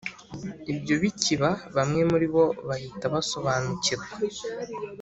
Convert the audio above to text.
ibyo bikiba bamwe muri bo bahita basobanukirwa